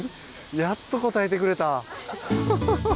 やっと応えてくれた。